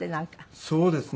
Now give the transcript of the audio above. そうですね